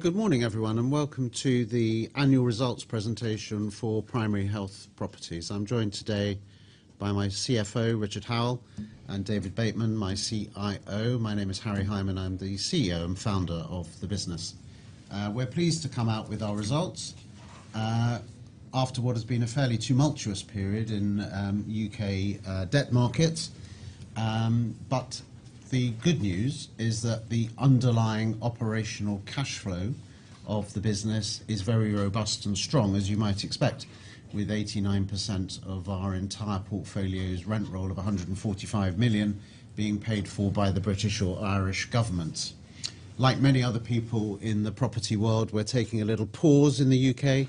Good morning, everyone, and welcome to the annual results presentation for Primary Health Properties. I'm joined today by my CFO, Richard Howell, and David Bateman, my CIO. My name is Harry Hyman. I'm the CEO and founder of the business. We're pleased to come out with our results after what has been a fairly tumultuous period in U.K. debt markets. The good news is that the underlying operational cash flow of the business is very robust and strong, as you might expect, with 89% of our entire portfolio's rent roll of 145 million being paid for by the British or Irish government. Like many other people in the property world, we're taking a little pause in the U.K.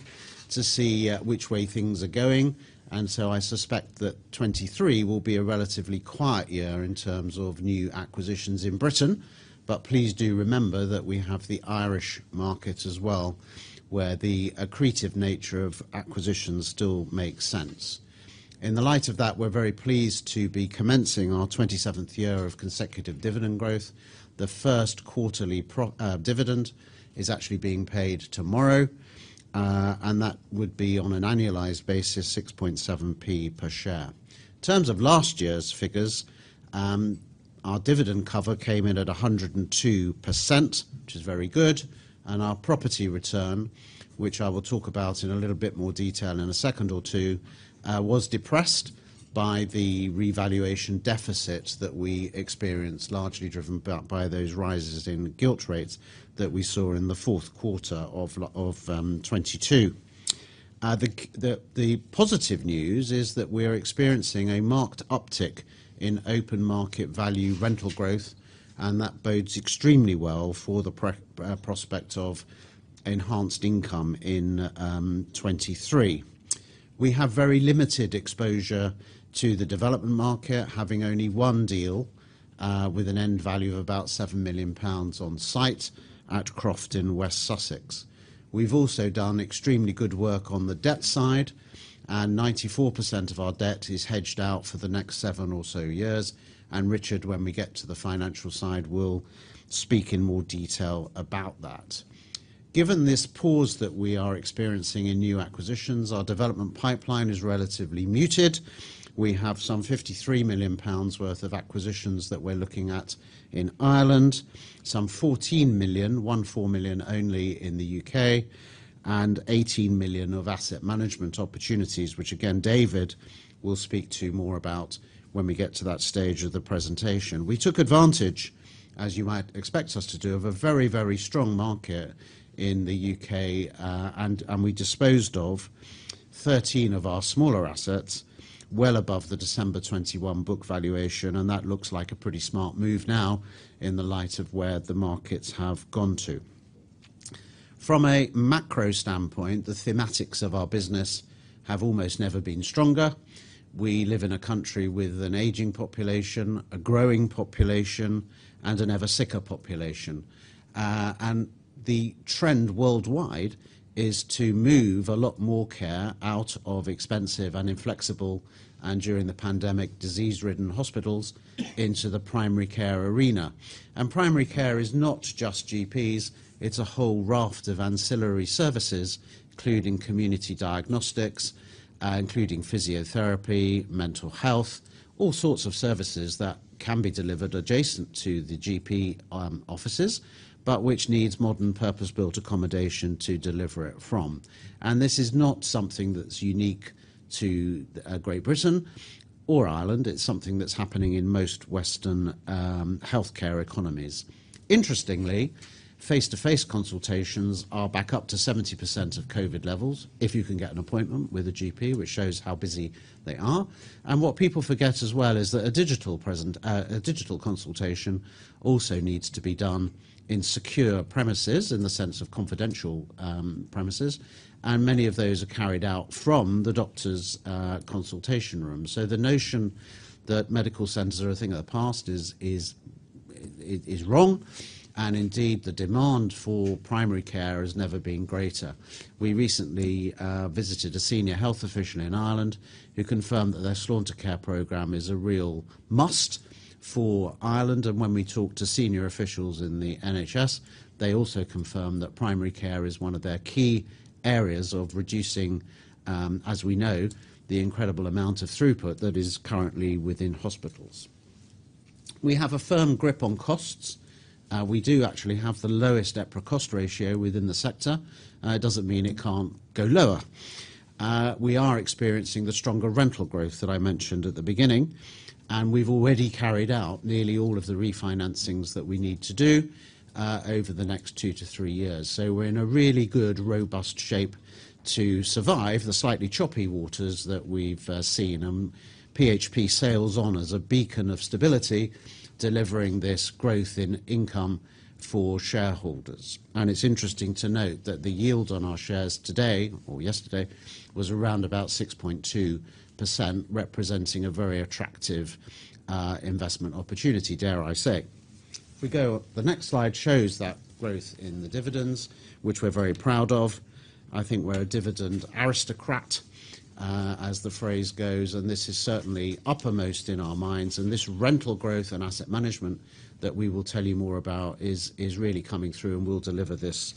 to see which way things are going. I suspect that 2023 will be a relatively quiet year in terms of new acquisitions in Britain. Please do remember that we have the Irish market as well, where the accretive nature of acquisitions still makes sense. In the light of that, we're very pleased to be commencing our 27th year of consecutive dividend growth. The first quarterly dividend is actually being paid tomorrow, and that would be on an annualized basis, 6.7p per share. In terms of last year's figures, our dividend cover came in at 102%, which is very good. Our property return, which I will talk about in a little bit more detail in a second or two, was depressed by the revaluation deficit that we experienced, largely driven by those rises in gilt rates that we saw in the fourth quarter of 2022. The positive news is that we're experiencing a marked uptick in open market value rental growth. That bodes extremely well for the prospect of enhanced income in 2023. We have very limited exposure to the development market, having only one deal with an end value of about 7 million pounds on site at Croft, West Sussex. We've also done extremely good work on the debt side, and 94% of our debt is hedged out for the next seven or so years, and Richard, when we get to the financial side, will speak in more detail about that. Given this pause that we are experiencing in new acquisitions, our development pipeline is relatively muted. We have some 53 million pounds worth of acquisitions that we're looking at in Ireland, some 14 million only in the U.K., and 18 million of asset management opportunities, which again, David will speak to more about when we get to that stage of the presentation. We took advantage, as you might expect us to do, of a very, very strong market in the U.K., and we disposed of 13 of our smaller assets well above the December 2021 book valuation, and that looks like a pretty smart move now in the light of where the markets have gone to. From a macro standpoint, the thematics of our business have almost never been stronger. We live in a country with an aging population, a growing population, and an ever sicker population. The trend worldwide is to move a lot more care out of expensive and inflexible, and during the pandemic, disease-ridden hospitals into the primary care arena. Primary care is not just GPs, it's a whole raft of ancillary services, including community diagnostics, including physiotherapy, mental health, all sorts of services that can be delivered adjacent to the GP offices, but which needs modern purpose-built accommodation to deliver it from. This is not something that's unique to Great Britain or Ireland. It's something that's happening in most Western healthcare economies. Interestingly, face-to-face consultations are back up to 70% of COVID levels if you can get an appointment with a GP, which shows how busy they are. What people forget as well is that a digital consultation also needs to be done in secure premises in the sense of confidential premises, and many of those are carried out from the doctor's consultation room. The notion that medical centers are a thing of the past is wrong, and indeed, the demand for primary care has never been greater. We recently visited a senior health official in Ireland who confirmed that their Sláintecare program is a real must for Ireland. When we talk to senior officials in the NHS, they also confirm that primary care is one of their key areas of reducing, as we know, the incredible amount of throughput that is currently within hospitals. We have a firm grip on costs. We do actually have the lowest EPRA cost ratio within the sector. It doesn't mean it can't go lower. We are experiencing the stronger rental growth that I mentioned at the beginning, we've already carried out nearly all of the refinancings that we need to do over the next two to three years. We're in a really good, robust shape to survive the slightly choppy waters that we've seen. PHP sails on as a beacon of stability, delivering this growth in income for shareholders. It's interesting to note that the yield on our shares today or yesterday was around about 6.2%, representing a very attractive investment opportunity, dare I say. The next slide shows that growth in the dividends, which we're very proud of. I think we're a dividend aristocrat, as the phrase goes. This is certainly uppermost in our minds. This rental growth and asset management that we will tell you more about is really coming through and will deliver this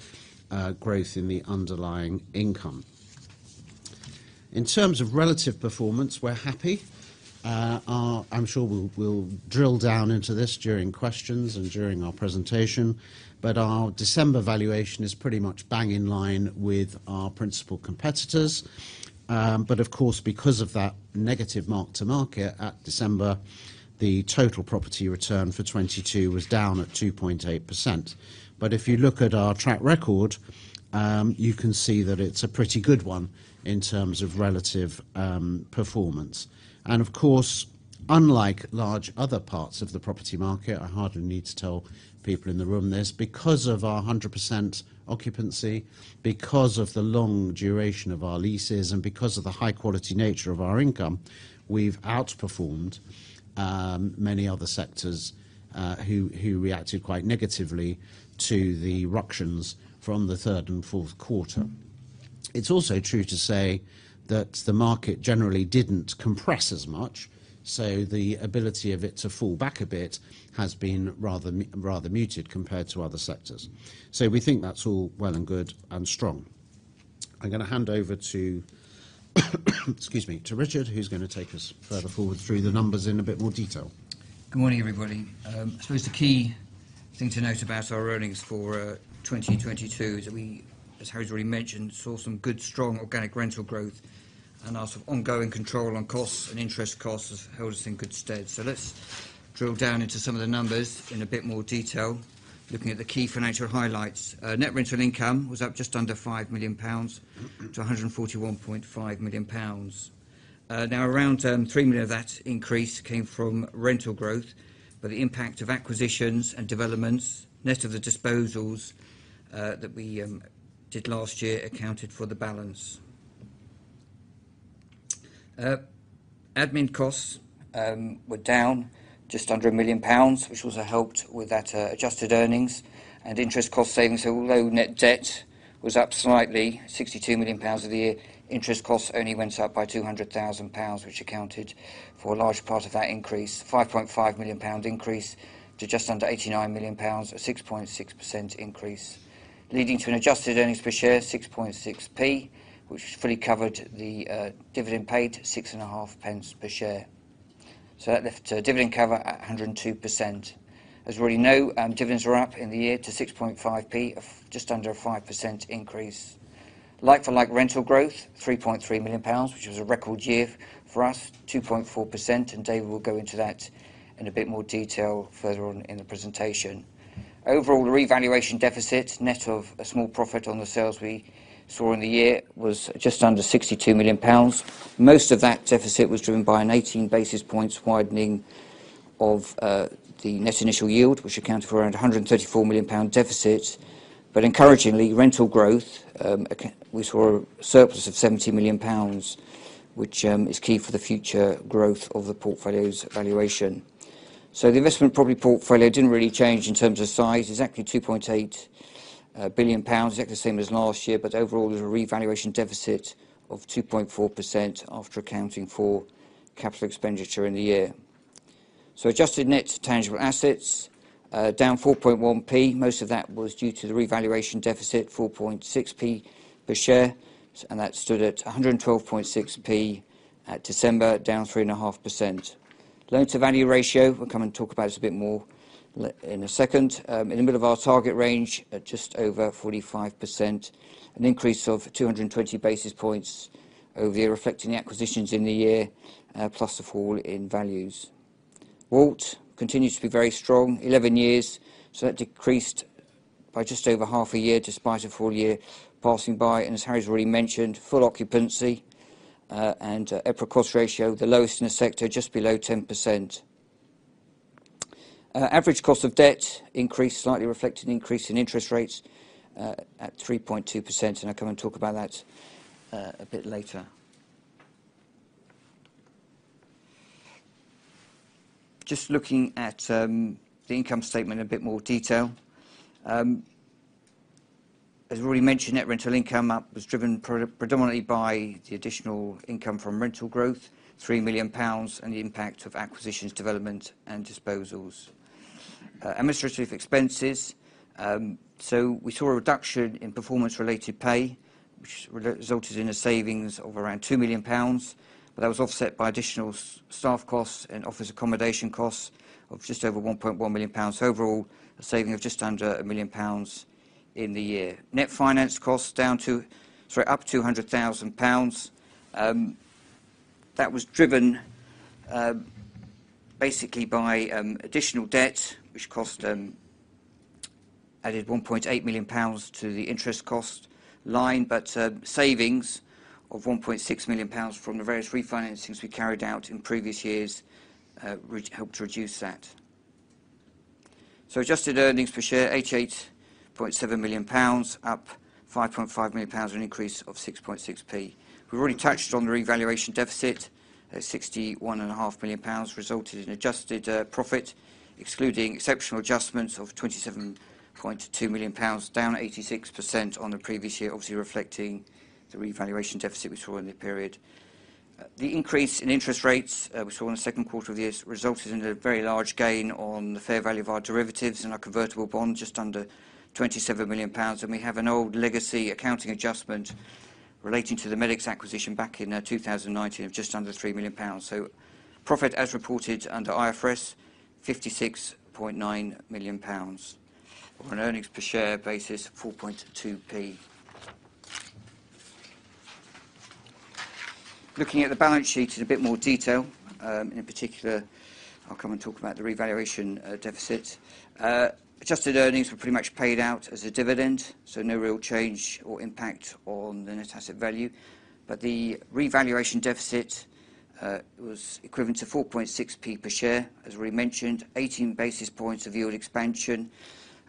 growth in the underlying income. In terms of relative performance, we're happy. I'm sure we'll drill down into this during questions and during our presentation, our December valuation is pretty much bang in line with our principal competitors. Of course, because of that negative mark to market at December, the total property return for 2022 was down at 2.8%. If you look at our track record, you can see that it's a pretty good one in terms of relative performance. Of course, unlike large other parts of the property market, I hardly need to tell people in the room this, because of our 100% occupancy, because of the long duration of our leases, and because of the high quality nature of our income, we've outperformed many other sectors who reacted quite negatively to the ructions from the third and fourth quarter. It's also true to say that the market generally didn't compress as much, so the ability of it to fall back a bit has been rather muted compared to other sectors. We think that's all well and good and strong. I'm gonna hand over to excuse me, to Richard, who's gonna take us further forward through the numbers in a bit more detail. Good morning, everybody. There's the key thing to note about our earnings for 2022 is that we, as Harry's already mentioned, saw some good strong organic rental growth and our sort of ongoing control on costs and interest costs has held us in good stead. Let's drill down into some of the numbers in a bit more detail. Looking at the key financial highlights. Net rental income was up just under 5 million pounds to 141.5 million pounds. Now, around 3 million of that increase came from rental growth, but the impact of acquisitions and developments, net of the disposals that we did last year accounted for the balance. Admin costs were down just under 1 million pounds, which also helped with that adjusted earnings and interest cost savings, although net debt was up slightly, 62 million pounds of the year, interest costs only went up by 200,000 pounds, which accounted for a large part of that increase, 5.5 million pound increase to just under 89 million pounds, a 6.6% increase, leading to an adjusted earnings per share 6.6p, which fully covered the dividend paid, six and a half pence per share. That left a dividend cover at 102%. As you already know, dividends were up in the year to 6.5p, of just under a 5% increase. Like for like rental growth, 3.3 million pounds, which was a record year for us, 2.4%. Dave will go into that in a bit more detail further on in the presentation. Overall, the revaluation deficit, net of a small profit on the sales we saw in the year, was just under 62 million pounds. Most of that deficit was driven by an 18 basis points widening of the net initial yield, which accounted for around a 134 million pound deficit. Encouragingly, rental growth, we saw a surplus of 70 million pounds, which is key for the future growth of the portfolio's valuation. The investment property portfolio didn't really change in terms of size. It's actually 2.8 billion pounds, exactly the same as last year. Overall, there's a revaluation deficit of 2.4% after accounting for capital expenditure in the year. Adjusted net tangible assets down 4.1p. Most of that was due to the revaluation deficit, 4.6p per share, and that stood at 112.6p at December, down 3.5%. Loan-to-value ratio, we'll come and talk about this a bit more in a second. In the middle of our target range at just over 45%, an increase of 220 basis points over the year, reflecting the acquisitions in the year, plus the fall in values. WALT continues to be very strong, 11 years, so that decreased by just over half a year despite a full year passing by, as Harry's already mentioned, full occupancy, and EPRA cost ratio, the lowest in the sector, just below 10%. Average cost of debt increased slightly reflecting increase in interest rates, at 3.2%, and I'll come and talk about that a bit later. Just looking at the income statement in a bit more detail. As we already mentioned, net rental income up was driven predominantly by the additional income from rental growth, 3 million pounds, and the impact of acquisitions, development, and disposals. Administrative expenses. We saw a reduction in performance-related pay, which resulted in a savings of around 2 million pounds. That was offset by additional staff costs and office accommodation costs of just over 1.1 million pounds. Overall, a saving of just under 1 million pounds in the year. Net finance costs down to... Sorry, up 200,000 pounds. That was driven basically by additional debt, which cost added 1.8 million pounds to the interest cost line, but savings of 1.6 million pounds from the various refinancings we carried out in previous years, which helped reduce that. Adjusted earnings per share, 88.7 million pounds, up 5.5 million pounds, an increase of 6.6p. We've already touched on the revaluation deficit at 61.5 million pounds, resulted in adjusted profit, excluding exceptional adjustments of 27.2 million pounds, down 86% on the previous year, obviously reflecting the revaluation deficit we saw in the period. The increase in interest rates, we saw in the second quarter of the year resulted in a very large gain on the fair value of our derivatives and our convertible bonds just under 27 million pounds. We have an old legacy accounting adjustment relating to the MedicX acquisition back in 2019 of just under 3 million pounds. Profit as reported under IFRS, 56.9 million pounds. On an earnings per share basis, 0.042. Looking at the balance sheet in a bit more detail, in particular, I'll come and talk about the revaluation deficit. Adjusted earnings were pretty much paid out as a dividend, so no real change or impact on the net asset value. The revaluation deficit was equivalent to 4.6 P per share, as we mentioned. 18 basis points of yield expansion,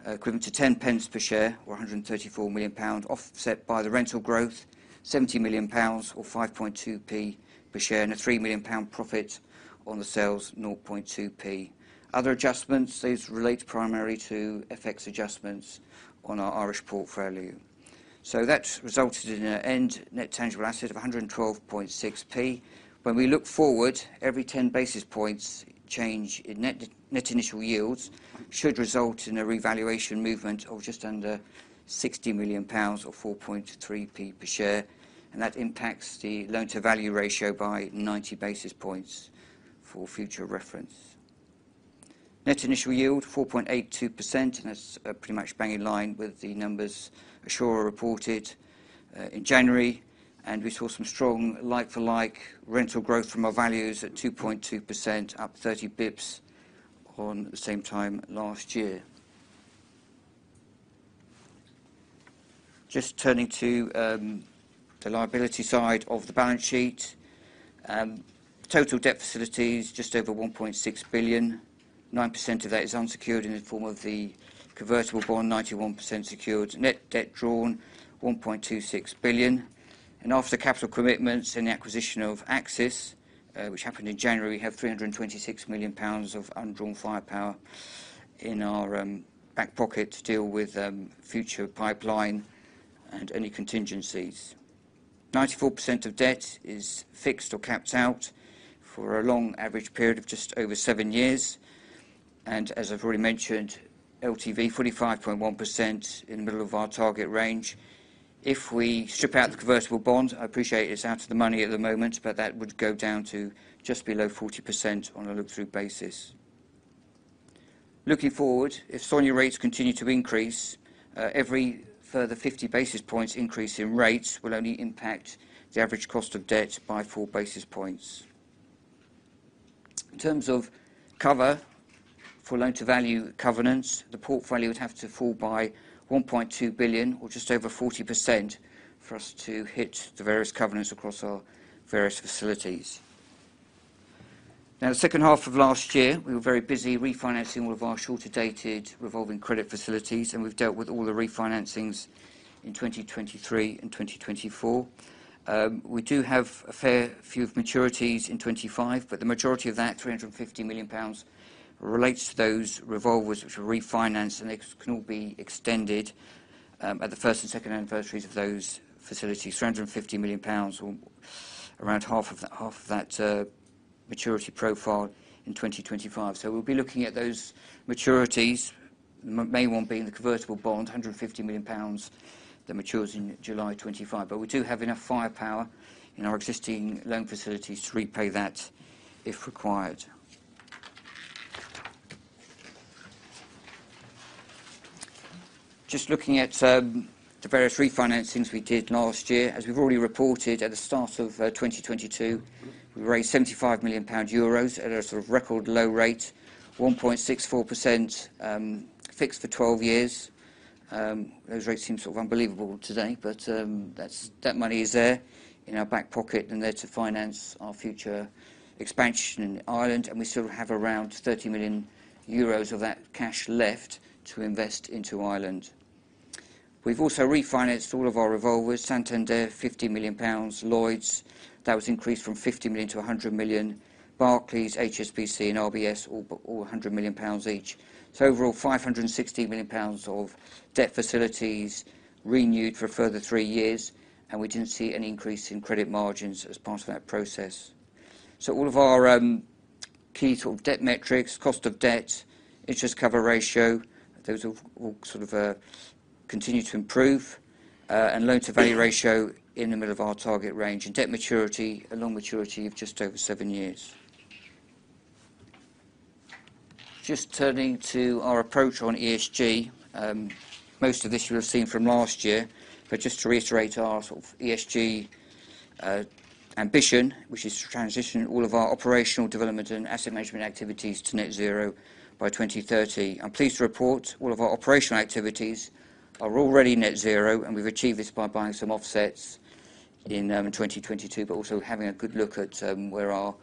equivalent to 10 pence per share or 134 million pounds offset by the rental growth, 70 million pounds or 5.2p per share, and a 3 million pound profit on the sales 0.2p. Other adjustments, these relate primarily to FX adjustments on our Irish portfolio. That resulted in an end net tangible asset of 112.6p. When we look forward, every 10 basis points change in net initial yields should result in a revaluation movement of just under 60 million pounds or 4.3p per share. That impacts the loan-to-value ratio by 90 basis points for future reference. Net initial yield, 4.82%, that's pretty much bang in line with the numbers Assura reported in January. We saw some strong like-for-like rental growth from our values at 2.2%, up 30 basis points on the same time last year. Just turning to the liability side of the balance sheet. Total debt facilities just over 1.6 billion. 9% of that is unsecured in the form of the convertible bond, 91% secured. Net debt drawn, 1.26 billion. After capital commitments and the acquisition of Axis, which happened in January, we have 326 million pounds of undrawn firepower in our back pocket to deal with future pipeline and any contingencies. 94% of debt is fixed or capped out for a long average period of just over 7 years. As I've already mentioned, LTV 45.1% in the middle of our target range. If we strip out the convertible bond, I appreciate it's out of the money at the moment, but that would go down to just below 40% on a look-through basis. Looking forward, if SONIA rates continue to increase, every further 50 basis points increase in rates will only impact the average cost of debt by 4 basis points. In terms of cover for loan-to-value covenants, the portfolio would have to fall by 1.2 billion or just over 40% for us to hit the various covenants across our various facilities. The second half of last year, we were very busy refinancing all of our shorter-dated revolving credit facilities, and we've dealt with all the refinancings in 2023 and 2024. We do have a fair few of maturities in 2025, but the majority of that, 350 million pounds, relates to those revolvers which were refinanced, and they can all be extended at the first and second anniversaries of those facilities. 350 million pounds or around half of that maturity profile in 2025. We'll be looking at those maturities. May one being the convertible bond, 150 million pounds that matures in July 2025. We do have enough firepower in our existing loan facilities to repay that if required. Just looking at the various refinancings we did last year. We've already reported at the start of 2022, we raised EUR 75 million at a sort of record low rate, 1.64%, fixed for 12 years. Those rates seem sort of unbelievable today, that money is there in our back pocket, and there to finance our future expansion in Ireland, and we still have around 30 million euros of that cash left to invest into Ireland. We've also refinanced all of our revolvers. Santander, 50 million pounds. Lloyds, that was increased from 50 million to 100 million. Barclays, HSBC, and RBS, all 100 million pounds each. Overall, 560 million pounds of debt facilities renewed for a further three years, we didn't see any increase in credit margins as part of that process. All of our key sort of debt metrics, cost of debt, interest cover ratio, those will sort of continue to improve. Loan-to-value ratio in the middle of our target range. Debt maturity, a long maturity of just over seven years. Just turning to our approach on ESG. Most of this you would have seen from last year. Just to reiterate our sort of ESG ambition, which is to transition all of our operational development and asset management activities to net zero by 2030. I'm pleased to report all of our operational activities are already net zero, and we've achieved this by buying some offsets in 2022, but also having a good look at where our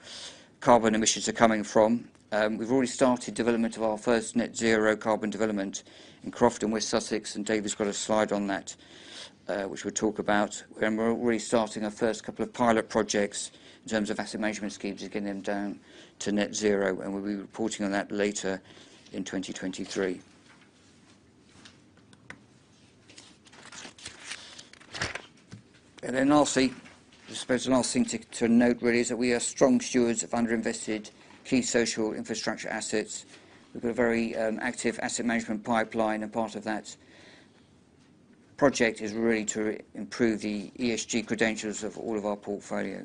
carbon emissions are coming from. We've already started development of our first net zero carbon development in Croft, West Sussex. David's got a slide on that, which we'll talk about. We're already starting our first couple of pilot projects in terms of asset management schemes to get them down to net zero, and we'll be reporting on that later in 2023. Lastly, I suppose the last thing to note really is that we are strong stewards of underinvested key social infrastructure assets. We've got a very active asset management pipeline, and part of that project is really to improve the ESG credentials of all of our portfolio.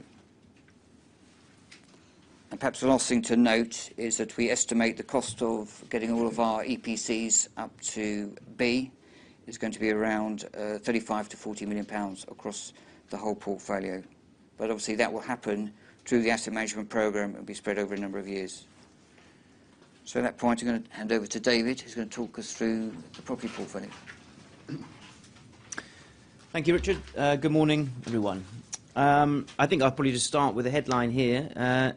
Perhaps the last thing to note is that we estimate the cost of getting all of our EPCs up to B is going to be around 35 million-40 million pounds across the whole portfolio. Obviously, that will happen through the asset management program. It'll be spread over a number of years. At that point, I'm gonna hand over to David, who's gonna talk us through the property portfolio. Thank you, Richard. Good morning, everyone. I think I'll probably just start with a headline here.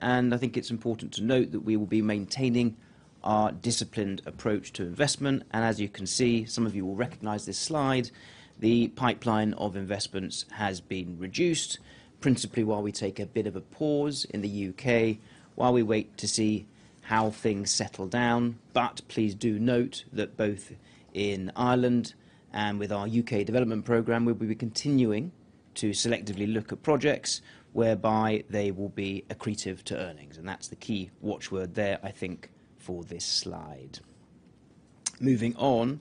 I think it's important to note that we will be maintaining our disciplined approach to investment. As you can see, some of you will recognize this slide, the pipeline of investments has been reduced, principally while we take a bit of a pause in the U.K. while we wait to see how things settle down. Please do note that both in Ireland and with our U.K. development program, we'll be continuing to selectively look at projects whereby they will be accretive to earnings. That's the key watch word there, I think, for this slide. Moving on,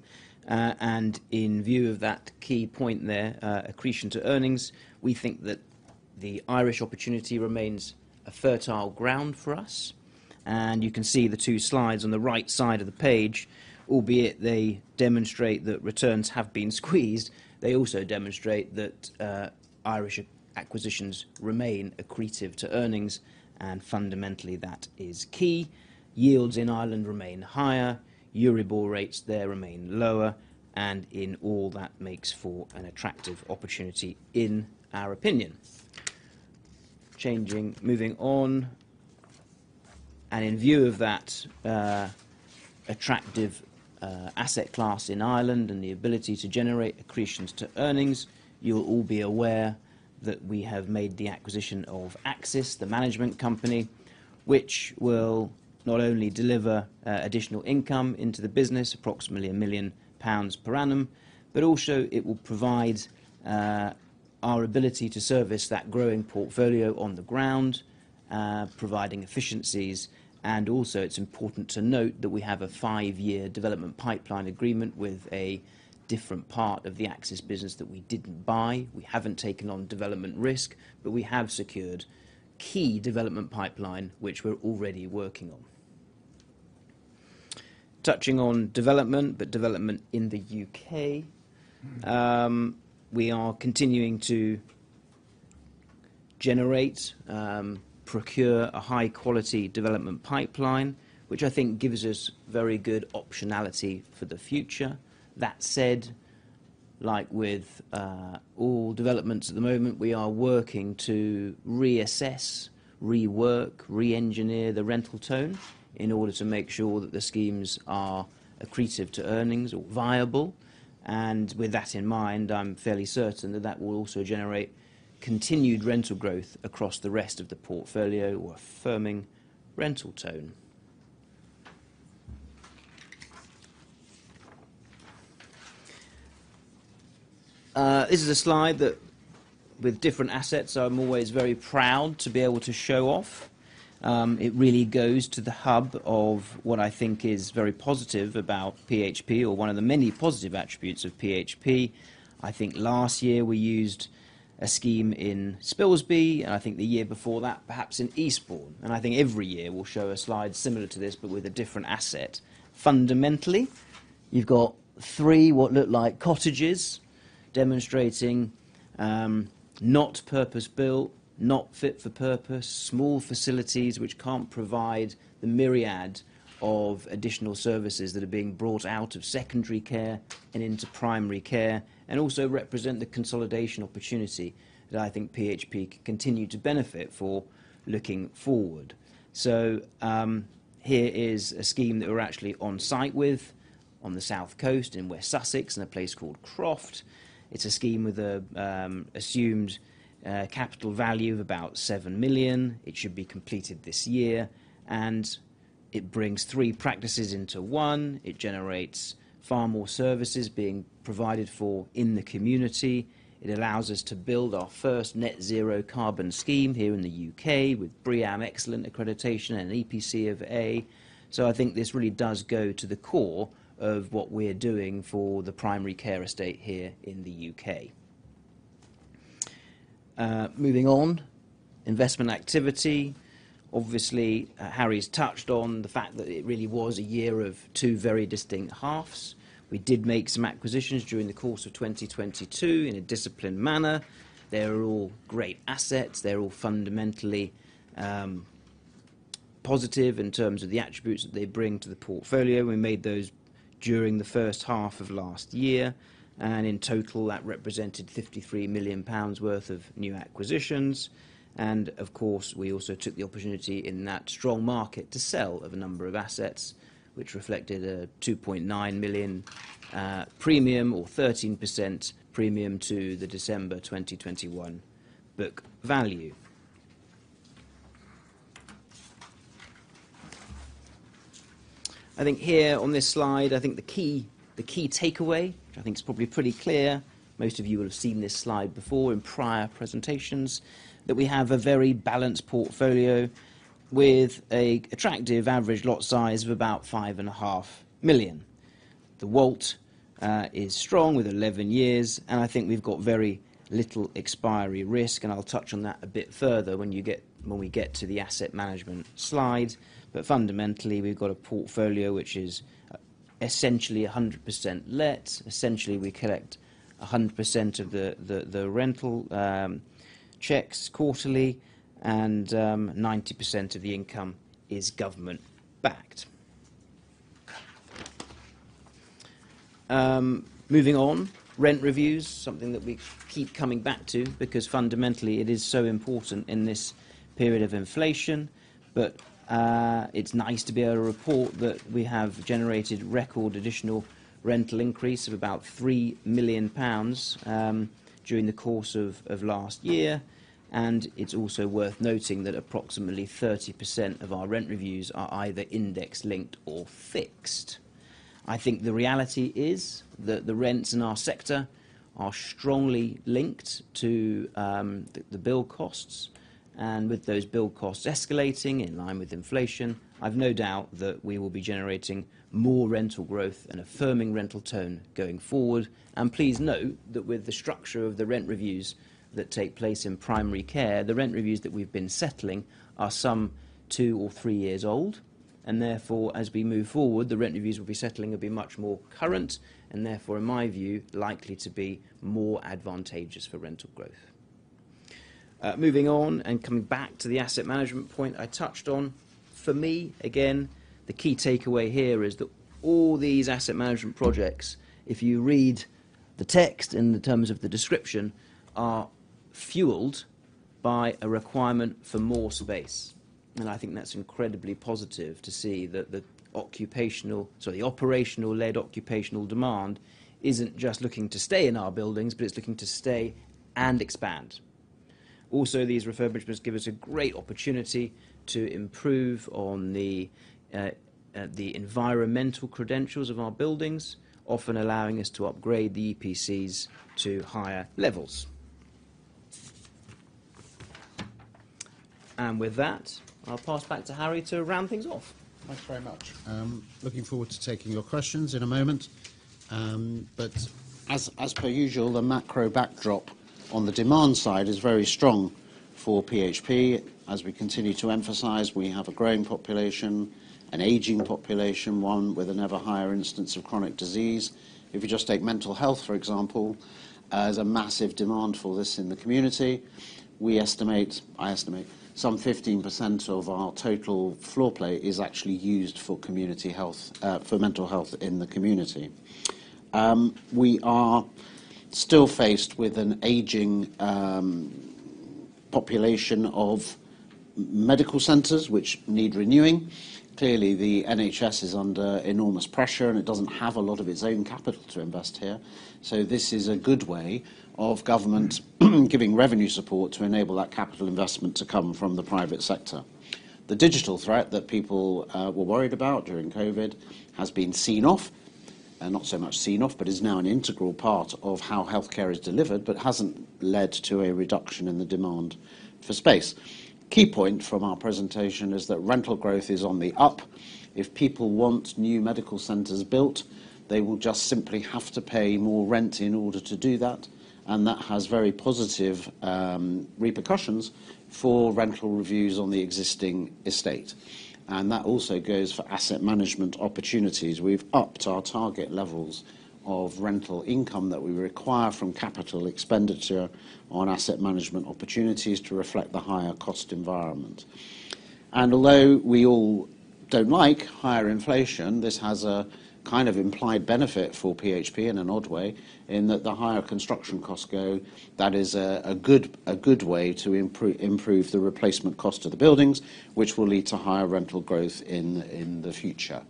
in view of that key point there, accretion to earnings, we think that the Irish opportunity remains a fertile ground for us. You can see the two slides on the right side of the page, albeit they demonstrate that returns have been squeezed, they also demonstrate that Irish acquisitions remain accretive to earnings, and fundamentally that is key. Yields in Ireland remain higher, Euribor rates there remain lower, and in all that makes for an attractive opportunity in our opinion. Changing. Moving on. In view of that attractive asset class in Ireland and the ability to generate accretions to earnings, you'll all be aware that we have made the acquisition of Axis, the management company, which will not only deliver additional income into the business, approximately 1 million pounds per annum, but also it will provide our ability to service that growing portfolio on the ground, providing efficiencies. Also, it's important to note that we have a five-year development pipeline agreement with a different part of the Axis business that we didn't buy. We haven't taken on development risk, we have secured key development pipeline, which we're already working on. Touching on development in the U.K. We are continuing to generate, procure a high quality development pipeline, which I think gives us very good optionality for the future. That said, like with all developments at the moment, we are working to reassess, rework, re-engineer the rental tone in order to make sure that the schemes are accretive to earnings or viable. With that in mind, I'm fairly certain that that will also generate continued rental growth across the rest of the portfolio or affirming rental tone. This is a slide that with different assets, I'm always very proud to be able to show off. It really goes to the hub of what I think is very positive about PHP or one of the many positive attributes of PHP. I think last year we used a scheme in Spilsby. I think the year before that, perhaps in Eastbourne. I think every year we'll show a slide similar to this, but with a different asset. Fundamentally, you've got three, what look like cottages demonstrating, not purpose-built, not fit for purpose, small facilities which can't provide the myriad of additional services that are being brought out of secondary care and into primary care. Also represent the consolidation opportunity that I think PHP can continue to benefit for looking forward. Here is a scheme that we're actually on site with on the South Coast in West Sussex, in a place called Croft. It's a scheme with a assumed capital value of about 7 million. It should be completed this year, and it brings three practices into one. It generates far more services being provided for in the community. It allows us to build our first net zero carbon scheme here in the U.K. with BREEAM Excellent accreditation and an EPC of A. I think this really does go to the core of what we're doing for the primary care estate here in the U.K. Moving on. Investment activity. Obviously, Harry's touched on the fact that it really was a year of two very distinct halves. We did make some acquisitions during the course of 2022 in a disciplined manner. They're all great assets. They're all fundamentally positive in terms of the attributes that they bring to the portfolio. We made those during the first half of last year. In total, that represented 53 million pounds worth of new acquisitions. Of course, we also took the opportunity in that strong market to sell of a number of assets, which reflected a 2.9 million premium or 13% premium to the December 2021 book value. I think here on this slide, I think the key takeaway, which I think is probably pretty clear, most of you will have seen this slide before in prior presentations, that we have a very balanced portfolio with a attractive average lot size of about 5.5 million. The WALT is strong with 11 years, and I think we've got very little expiry risk, and I'll touch on that a bit further when we get to the asset management slide. Fundamentally, we've got a portfolio which is essentially 100% let. Essentially we collect 100% of the rental checks quarterly and 90% of the income is government backed. Moving on. Rent reviews, something that we keep coming back to because fundamentally it is so important in this period of inflation. It's nice to be able to report that we have generated record additional rental increase of about 3 million pounds during the course of last year, and it's also worth noting that approximately 30% of our rent reviews are either index-linked or fixed. I think the reality is that the rents in our sector are strongly linked to the bill costs, and with those bill costs escalating in line with inflation, I've no doubt that we will be generating more rental growth and affirming rental tone going forward. Please note that with the structure of the rent reviews that take place in primary care, the rent reviews that we've been settling are some two or three years old, and therefore, as we move forward, the rent reviews we'll be settling will be much more current and therefore, in my view, likely to be more advantageous for rental growth. Moving on and coming back to the asset management point I touched on. For me, again, the key takeaway here is that all these asset management projects, if you read the text in the terms of the description, are fueled by a requirement for more space. I think that's incredibly positive to see that the operational-led occupational demand isn't just looking to stay in our buildings, but it's looking to stay and expand. These refurbishments give us a great opportunity to improve on the environmental credentials of our buildings, often allowing us to upgrade the EPCs to higher levels. With that, I'll pass back to Harry to round things off. Thanks very much. Looking forward to taking your questions in a moment. As per usual, the macro backdrop on the demand side is very strong for PHP. As we continue to emphasize, we have a growing population, an aging population, one with an ever higher instance of chronic disease. If you just take mental health, for example, as a massive demand for this in the community, I estimate some 15% of our total floor plate is actually used for community health, for mental health in the community. We are still faced with an aging population of medical centers which need renewing. Clearly, the NHS is under enormous pressure, it doesn't have a lot of its own capital to invest here. This is a good way of government giving revenue support to enable that capital investment to come from the private sector. The digital threat that people were worried about during COVID has been seen off, and not so much seen off, but is now an integral part of how healthcare is delivered, but hasn't led to a reduction in the demand for space. Key point from our presentation is that rental growth is on the up. If people want new medical centers built, they will just simply have to pay more rent in order to do that, and that has very positive repercussions for rental reviews on the existing estate. That also goes for asset management opportunities. We've upped our target levels of rental income that we require from capital expenditure on asset management opportunities to reflect the higher cost environment. Although we all don't like higher inflation, this has a kind of implied benefit for PHP in an odd way, in that the higher construction costs go, that is a good way to improve the replacement cost of the buildings, which will lead to higher rental growth in the future.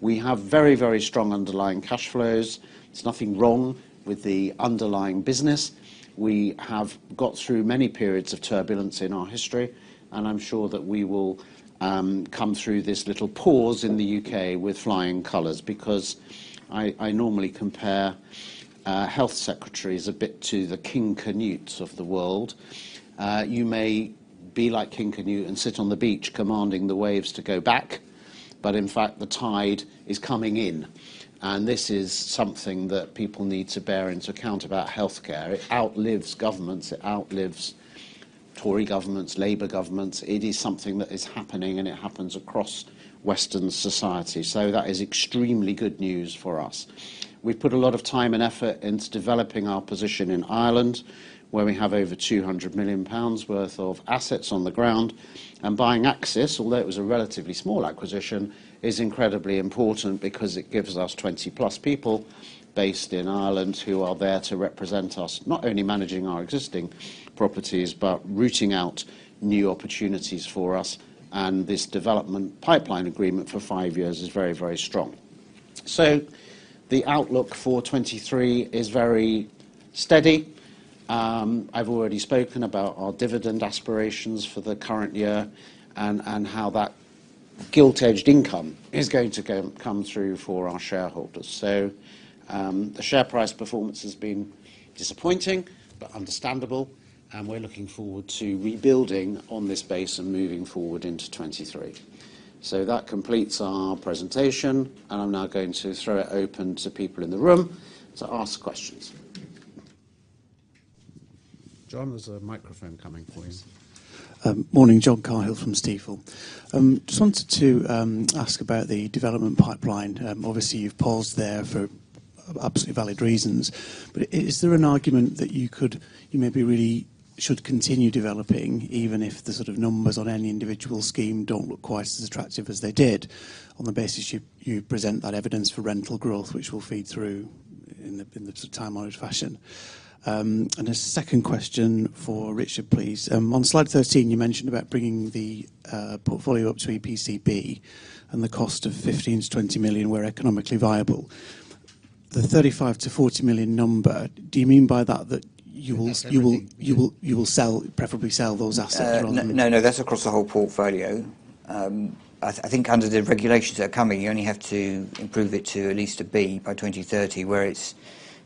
We have very strong underlying cash flows. There's nothing wrong with the underlying business. We have got through many periods of turbulence in our history, I'm sure that we will come through this little pause in the U.K. with flying colors because I normally compare health secretaries a bit to the King Canutes of the world. You may be like King Canute and sit on the beach commanding the waves to go back, in fact, the tide is coming in. This is something that people need to bear into account about healthcare. It outlives governments. It outlives Tory governments, Labour governments. It is something that is happening, and it happens across Western society. That is extremely good news for us. We've put a lot of time and effort into developing our position in Ireland, where we have over 200 million pounds worth of assets on the ground. Buying Axis, although it was a relatively small acquisition, is incredibly important because it gives us 20+ people based in Ireland who are there to represent us, not only managing our existing properties, but rooting out new opportunities for us. This development pipeline agreement for five years is very, very strong. The outlook for 2023 is very steady. I've already spoken about our dividend aspirations for the current year and how that gilt-edged income is going to come through for our shareholders. The share price performance has been disappointing but understandable, and we're looking forward to rebuilding on this base and moving forward into 2023. That completes our presentation, and I'm now going to throw it open to people in the room to ask questions. John, there's a microphone coming for you. Yes. Morning. John Cahill from Stifel. Just wanted to ask about the development pipeline. Obviously, you've paused there for absolutely valid reasons. Is there an argument that you could, you maybe really should continue developing, even if the sort of numbers on any individual scheme don't look quite as attractive as they did on the basis you present that evidence for rental growth, which will feed through in the time-honored fashion? A second question for Richard, please. On slide 13, you mentioned about bringing the portfolio up to EPC-B, and the cost of 15 million-20 million were economically viable. The 35 million-40 million number, do you mean by that you will? That's everything. You will sell, preferably sell those assets. No, no. That's across the whole portfolio. I think under the regulations that are coming, you only have to improve it to at least a B by 2030.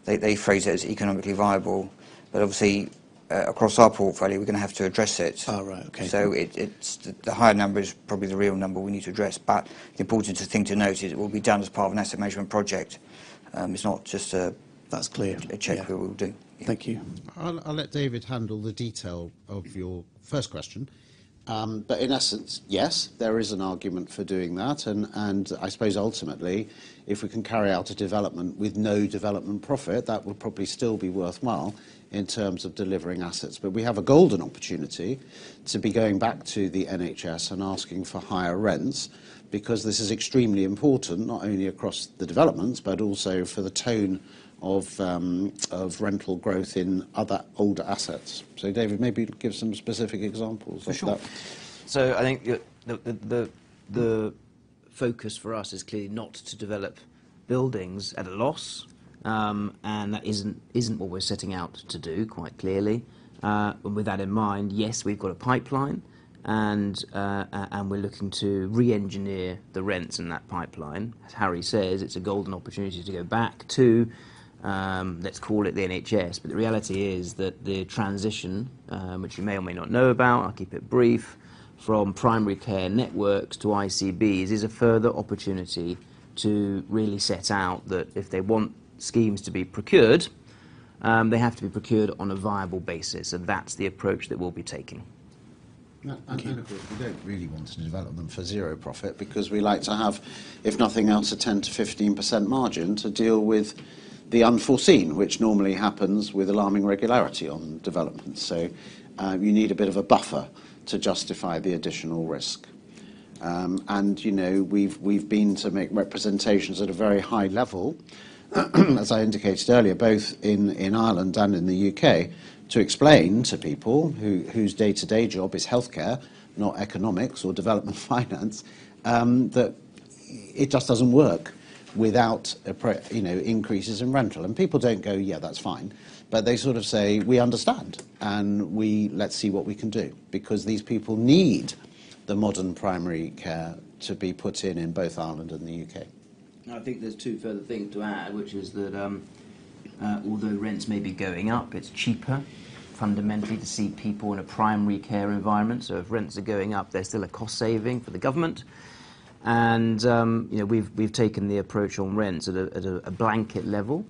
They phrase it as economically viable. Obviously, across our portfolio, we're gonna have to address it. Oh, right. Okay. It's the higher number is probably the real number we need to address. The important thing to note is it will be done as part of an asset management project. It's not just- That's clear. Yeah. ...a check that we'll do. Thank you. I'll let David handle the detail of your first question. In essence, yes, there is an argument for doing that. I suppose ultimately, if we can carry out a development with no development profit, that would probably still be worthwhile in terms of delivering assets. We have a golden opportunity to be going back to the NHS and asking for higher rents, because this is extremely important, not only across the developments, but also for the tone of rental growth in other older assets. David, maybe give some specific examples of that. For sure. I think the focus for us is clearly not to develop buildings at a loss, and that isn't what we're setting out to do quite clearly. With that in mind, yes, we've got a pipeline, and we're looking to re-engineer the rents in that pipeline. As Harry says, it's a golden opportunity to go back to, let's call it the NHS. The reality is that the transition, which you may or may not know about, I'll keep it brief, from primary care networks to ICBs, is a further opportunity to really set out that if they want schemes to be procured, they have to be procured on a viable basis, and that's the approach that we'll be taking. Thank you. Of course, we don't really want a development for zero profit because we like to have, if nothing else, a 10%-15% margin to deal with the unforeseen, which normally happens with alarming regularity on developments. You need a bit of a buffer to justify the additional risk. You know, we've been to make representations at a very high level, as I indicated earlier, both in Ireland and in the U.K., to explain to people who, whose day-to-day job is healthcare, not economics or development finance, that it just doesn't work without you know, increases in rental. People don't go, "Yeah, that's fine." They sort of say, "We understand, and we... Let's see what we can do." These people need the modern primary care to be put in in both Ireland and the U.K. I think there's two further things to add, which is that, although rents may be going up, it's cheaper fundamentally to see people in a primary care environment. If rents are going up, they're still a cost saving for the government. You know, we've taken the approach on rents at a blanket level.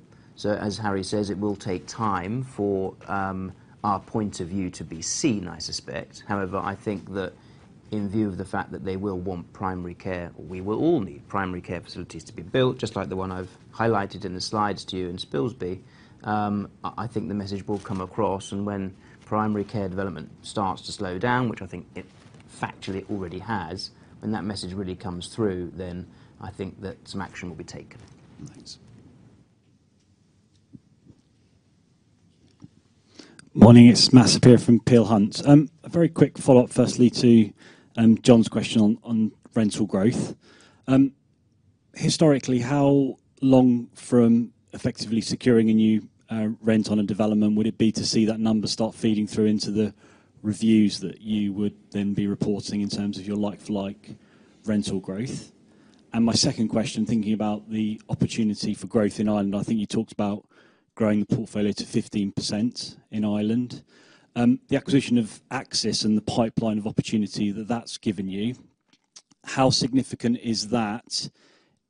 As Harry says, it will take time for our point of view to be seen, I suspect. However, I think that in view of the fact that they will want primary care, we will all need primary care facilities to be built, just like the one I've highlighted in the slides to you in Spilsby. I think the message will come across. When primary care development starts to slow down, which I think it factually already has, when that message really comes through, then I think that some action will be taken. Thanks. Morning. It's Matt Saperia from Peel Hunt. A very quick follow-up firstly to John's question on rental growth. Historically, how long from effectively securing a new rent on a development would it be to see that number start feeding through into the reviews that you would then be reporting in terms of your like-for-like rental growth? My second question, thinking about the opportunity for growth in Ireland, I think you talked about growing the portfolio to 15% in Ireland. The acquisition of Axis and the pipeline of opportunity that that's given you, how significant is that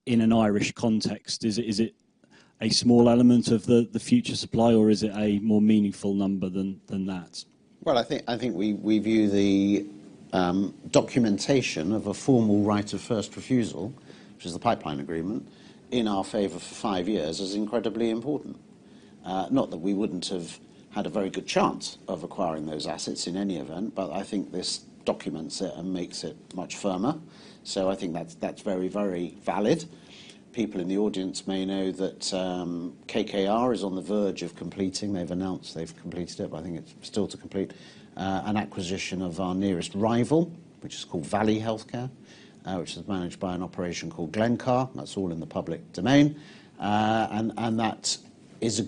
in an Irish context? Is it a small element of the future supply, or is it a more meaningful number than that? I think, I think we view the documentation of a formal right of first refusal, which is the pipeline agreement, in our favor for five years as incredibly important. Not that we wouldn't have had a very good chance of acquiring those assets in any event, but I think this documents it and makes it much firmer. I think that's very, very valid. People in the audience may know that KKR is on the verge of completing. They've announced they've completed it, but I think it's still to complete an acquisition of our nearest rival, which is called Valley Healthcare, which is managed by an operation called Glencar. That's all in the public domain. That's is a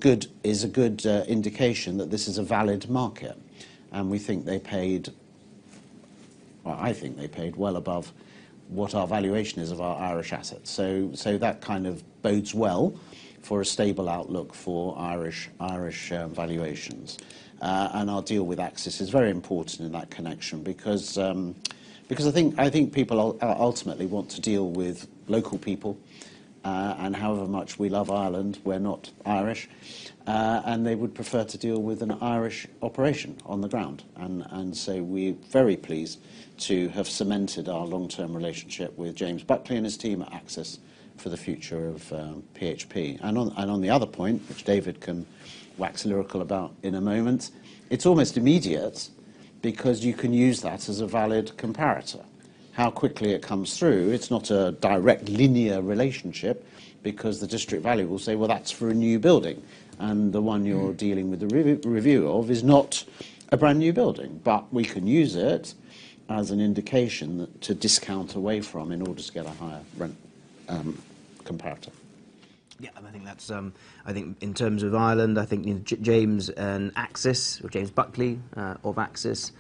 good indication that this is a valid market. We think they paid... I think they paid well above what our valuation is of our Irish assets. That kind of bodes well for a stable outlook for Irish valuations. Our deal with Axis is very important in that connection because I think people ultimately want to deal with local people. However much we love Ireland, we're not Irish. They would prefer to deal with an Irish operation on the ground. So we're very pleased to have cemented our long-term relationship with James Buckley and his team at Axis for the future of PHP. On the other point, which David can wax lyrical about in a moment, it's almost immediate because you can use that as a valid comparator. How quickly it comes through, it's not a direct linear relationship because the district value will say, "Well, that's for a new building," and the one you're dealing with the review of is not a brand-new building. We can use it as an indication to discount away from in order to get a higher rent comparator. Yeah. I think that's. I think in terms of Ireland, I think James and Axis, or James Buckley of Axis,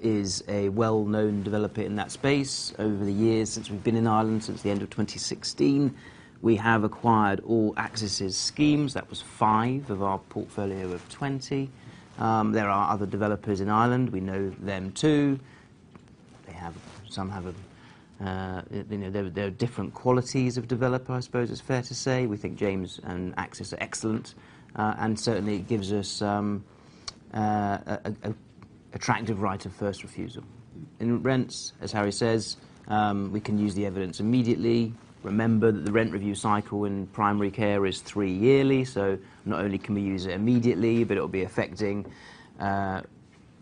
is a well-known developer in that space. Over the years since we've been in Ireland, since the end of 2016, we have acquired all Axis' schemes. That was five of our portfolio of 20. There are other developers in Ireland. We know them too. Some have a, you know, there are different qualities of developer, I suppose it's fair to say. We think James and Axis are excellent. certainly gives us an attractive right of first refusal. In rents, as Harry says, we can use the evidence immediately. Remember that the rent review cycle in primary care is three-yearly, so not only can we use it immediately, but it'll be affecting,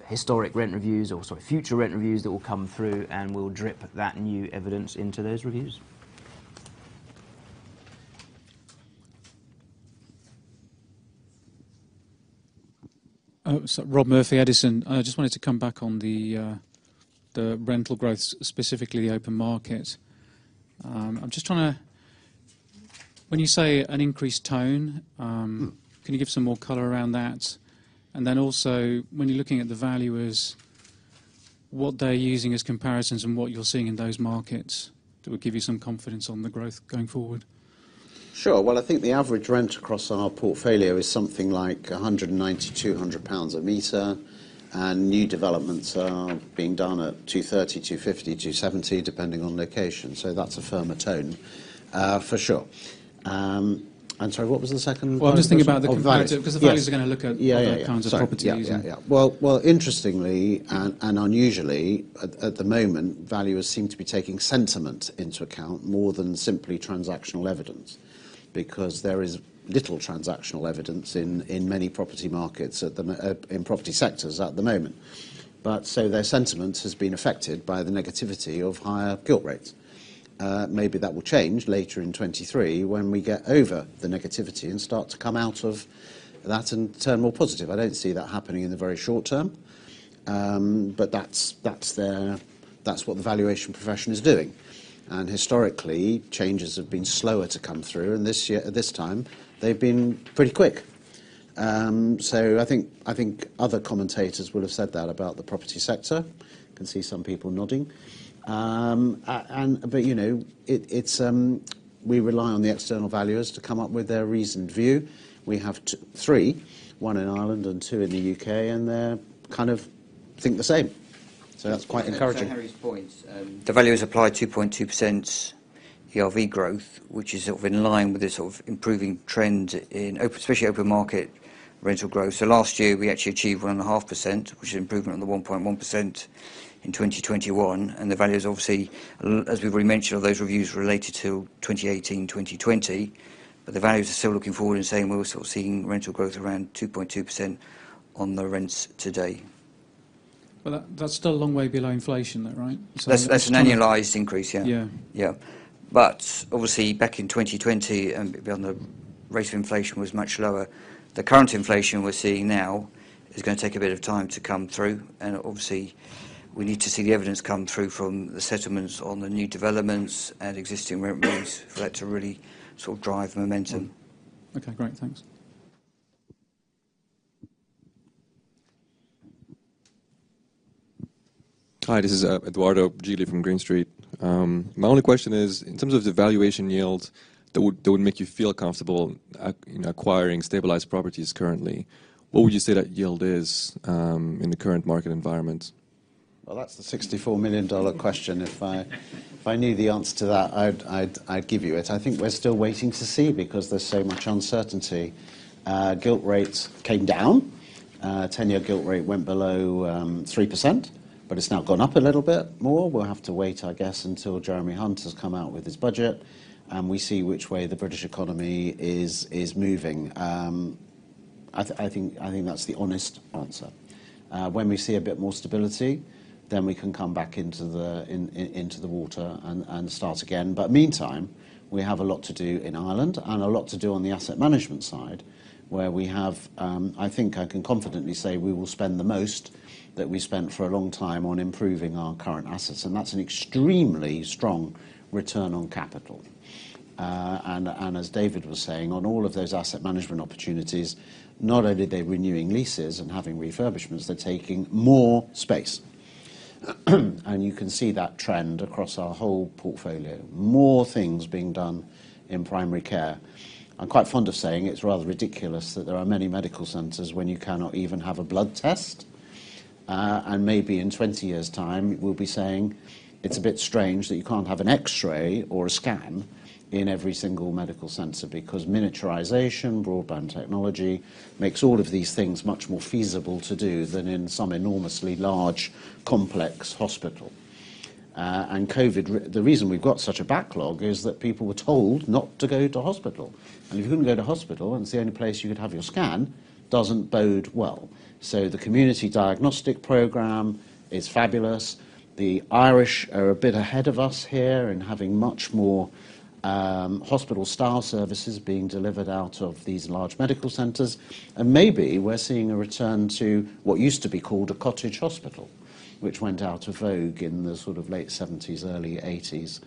historic rent reviews or sort of future rent reviews that will come through, and we'll drip that new evidence into those reviews. Rob Murphy, Edison. I just wanted to come back on the rental growth, specifically the open market. I'm just trying to. When you say an increased tone? Mm. Can you give some more color around that? When you're looking at the valuers, what they're using as comparisons and what you're seeing in those markets, do we give you some confidence on the growth going forward? Sure. I think the average rent across our portfolio is something like 190-200 pounds a meter. New developments are being done at 230, 250, 270, depending on location. That's a firmer tone, for sure. Sorry, what was the second part of the question? Well, I'm just thinking about the. Oh, values. Yes. Cause the values are gonna look at- Yeah, yeah.... Other kinds of properties and... Sorry. Yeah, yeah. Well, interestingly and unusually, at the moment, valuers seem to be taking sentiment into account more than simply transactional evidence. There is little transactional evidence in many property markets in property sectors at the moment. Their sentiment has been affected by the negativity of higher guilt rates. Maybe that will change later in 2023 when we get over the negativity and start to come out of that and turn more positive. I don't see that happening in the very short term. That's their, that's what the valuation profession is doing. Historically, changes have been slower to come through. This time, they've been pretty quick. I think other commentators would have said that about the property sector. Can see some people nodding. You know, it's we rely on the external valuers to come up with their reasoned view. We have three, one in Ireland and two in the U.K., and they kind of think the same. That's quite encouraging. Can I add to Harry's point? The valuers apply 2.2% ERV growth, which is sort of in line with the sort of improving trend in open, especially open market rental growth. Last year, we actually achieved 1.5%, which is an improvement on the 1.1% in 2021. The value is obviously, as we've already mentioned, those reviews related to 2018, 2020. The valuers are still looking forward and saying we're sort of seeing rental growth around 2.2% on the rents today. That's still a long way below inflation, though, right? That's an annualized increase. Yeah. Yeah. Yeah. Obviously back in 2020 and beyond, the rate of inflation was much lower. The current inflation we're seeing now is gonna take a bit of time to come through. Obviously, we need to see the evidence come through from the settlements on the new developments and existing rent reviews for that to really sort of drive momentum. Okay, great. Thanks. Hi, this is Edoardo Gili from Green Street. My only question is, in terms of the valuation yield that would make you feel comfortable in acquiring stabilized properties currently, what would you say that yield is in the current market environment? Well, that's the 64 million dollar question. If I knew the answer to that, I'd give you it. I think we're still waiting to see because there's so much uncertainty. Gilt rates came down. 10-year gilt rate went below 3%, but it's now gone up a little bit more. We'll have to wait, I guess, until Jeremy Hunt has come out with his budget, and we see which way the British economy is moving. I think that's the honest answer. When we see a bit more stability, then we can come back into the water and start again. Meantime, we have a lot to do in Ireland and a lot to do on the asset management side, where we have, I think I can confidently say we will spend the most that we spent for a long time on improving our current assets, and that's an extremely strong return on capital. As David was saying, on all of those asset management opportunities, not only are they renewing leases and having refurbishments, they're taking more space. You can see that trend across our whole portfolio, more things being done in primary care. I'm quite fond of saying it's rather ridiculous that there are many medical centers when you cannot even have a blood test. Maybe in 20 years' time, we'll be saying it's a bit strange that you can't have an X-ray or a scan in every single medical center because miniaturization, broadband technology makes all of these things much more feasible to do than in some enormously large, complex hospital. COVID, the reason we've got such a backlog is that people were told not to go to hospital. If you couldn't go to hospital, and it's the only place you could have your scan, doesn't bode well. The community diagnostic program is fabulous. The Irish are a bit ahead of us here in having much more hospital-style services being delivered out of these large medical centers. Maybe we're seeing a return to what used to be called a cottage hospital, which went out of vogue in the sort of late 70s, early 80s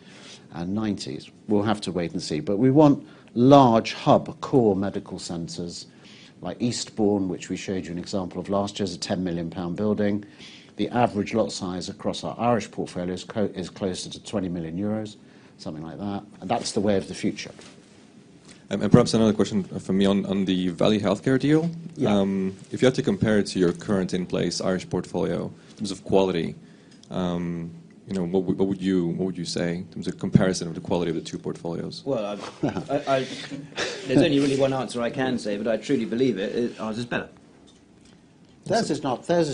and 90s. We'll have to wait and see. We want large hub, core medical centers like Eastbourne, which we showed you an example of last year, is a 10 million pound building. The average lot size across our Irish portfolio is closer to 20 million euros, something like that. That's the way of the future. Perhaps another question from me on the Valley Healthcare deal. Yeah. If you had to compare it to your current in place Irish portfolio in terms of quality, you know, what would you say in terms of comparison of the quality of the two portfolios? There's only really one answer I can say, but I truly believe it. Ours is better. Theirs is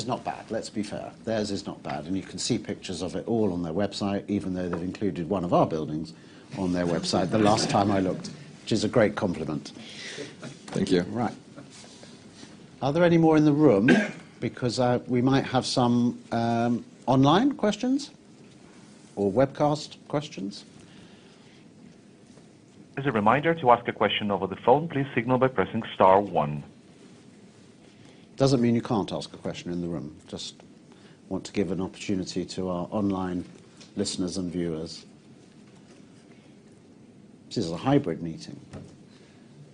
not bad, let's be fair. Theirs is not bad. You can see pictures of it all on their website, even though they've included one of our buildings on their website, the last time I looked, which is a great compliment. Thank you. Right. Are there any more in the room? We might have some online questions or webcast questions. As a reminder, to ask a question over the phone, please signal by pressing star one. Doesn't mean you can't ask a question in the room. Just want to give an opportunity to our online listeners and viewers. This is a hybrid meeting,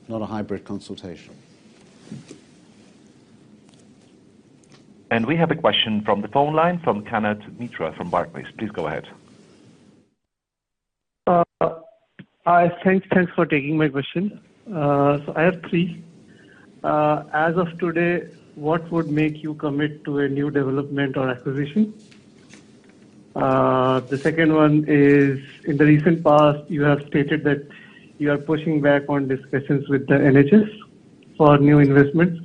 not a hybrid consultation. We have a question from the phone line from Kanad Mitra from Barclays. Please go ahead. Hi. Thanks for taking my question. I have three. As of today, what would make you commit to a new development or acquisition? The second one is, in the recent past, you have stated that you are pushing back on discussions with the NHS for new investments.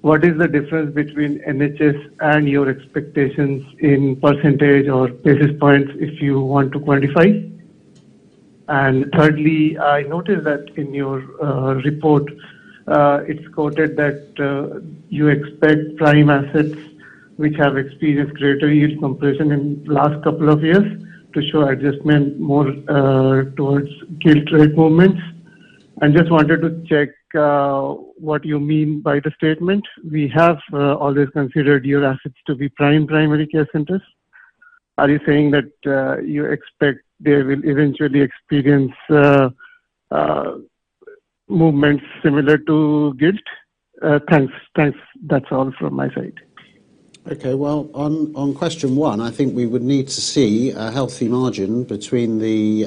What is the difference between NHS and your expectations in percentage or basis points if you want to quantify? Thirdly, I noticed that in your report, it's quoted that you expect prime assets which have experienced greater yield compression in last couple of years to show adjustment more towards gilt rate movements. I just wanted to check what you mean by the statement. We have always considered your assets to be prime primary care centers. Are you saying that, you expect they will eventually experience movements similar to gilt? Thanks. That's all from my side. Okay. Well, on question one, I think we would need to see a healthy margin between a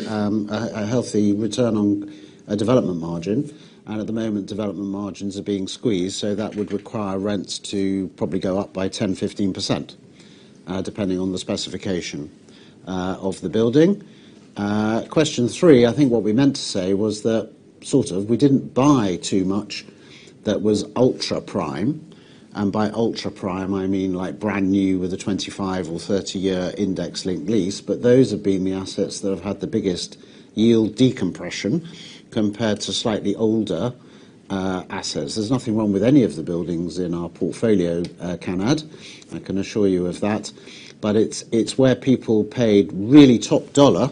healthy return on a development margin. At the moment, development margins are being squeezed, that would require rents to probably go up by 10%, 15% depending on the specification of the building. Question three, I think what we meant to say was that sort of we didn't buy too much that was ultra prime. By ultra prime, I mean, like brand new with a 25 or 30-year index linked lease. Those have been the assets that have had the biggest yield decompression compared to slightly older assets. There's nothing wrong with any of the buildings in our portfolio, Kanad. I can assure you of that. It's where people paid really top dollar,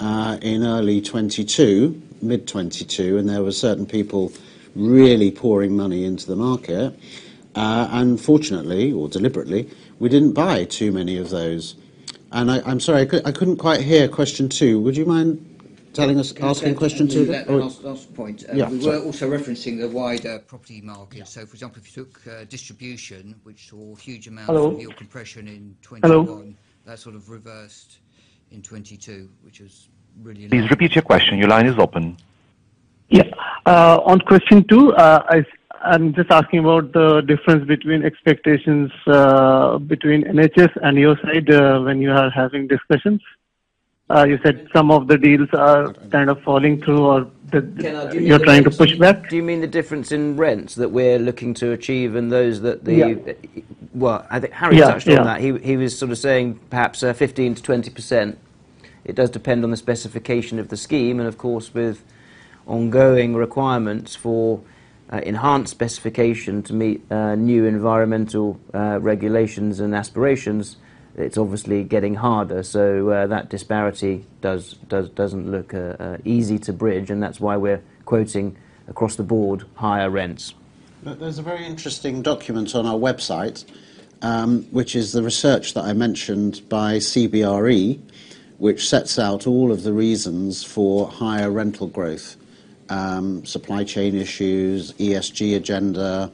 in early 2022, mid 2022, and there were certain people really pouring money into the market. Fortunately or deliberately, we didn't buy too many of those. I'm sorry, I couldn't quite hear question two. Would you mind telling us, asking question two again? Can I just say on the last point. Yeah. Sorry. We were also referencing the wider property market. Yeah. For example, if you took, distribution, which saw huge amounts of yield compression. Hello? 2021, that sort of reversed in 2022, which was really. Please repeat your question. Your line is open. Yeah. On question two, I'm just asking about the difference between expectations, between NHS and your side, when you are having discussions. You said some of the deals are kind of falling through- Kanad, do you mean the difference- ...you're trying to push back. Do you mean the difference in rents that we're looking to achieve and those that? Yeah. Well, I think- Yeah, yeah. ...touched on that. He was sort of saying perhaps 15%-20%. It does depend on the specification of the scheme, and of course, with ongoing requirements for enhanced specification to meet new environmental regulations and aspirations, it's obviously getting harder. That disparity doesn't look easy to bridge, and that's why we're quoting across the board higher rents. There's a very interesting document on our website, which is the research that I mentioned by CBRE, which sets out all of the reasons for higher rental growth, supply chain issues, ESG agenda,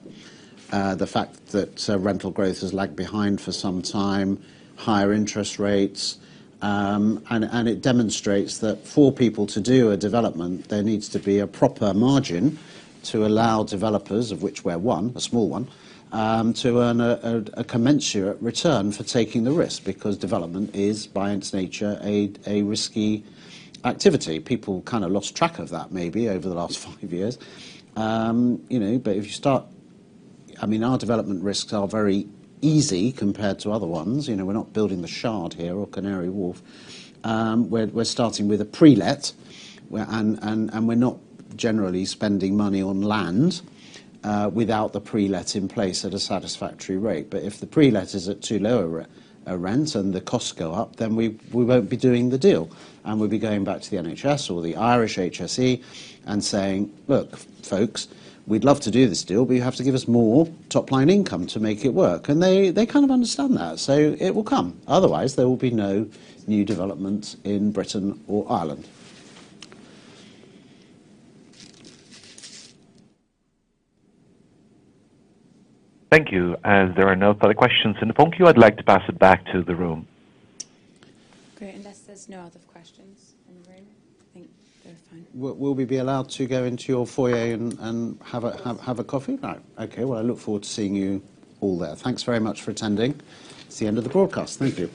the fact that rental growth has lagged behind for some time, higher interest rates. It demonstrates that for people to do a development, there needs to be a proper margin to allow developers, of which we're one, a small one, to earn a commensurate return for taking the risk, because development is, by its nature, a risky activity. People kind of lost track of that maybe over the last five years. You know, if you start. I mean, our development risks are very easy compared to other ones. You know, we're not building the Shard here or Canary Wharf. We're starting with a pre-let, where, and we're not generally spending money on land without the pre-let in place at a satisfactory rate. If the pre-let is at too low a rent and the costs go up, then we won't be doing the deal, and we'll be going back to the NHS or the Irish HSE and saying, "Look, folks, we'd love to do this deal, but you have to give us more top-line income to make it work." They kind of understand that, so it will come. Otherwise, there will be no new developments in Britain or Ireland. Thank you. As there are no further questions in the phone queue, I'd like to pass it back to the room. Great. Unless there's no other questions in the room, I think we have time. Will we be allowed to go into your foyer and have a coffee? Right. Okay. I look forward to seeing you all there. Thanks very much for attending. It's the end of the broadcast. Thank you.